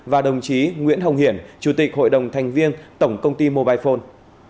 và đồng chí nguyễn hồng hiển chủ tịch hội đồng thành viên tổng công ty mobile phone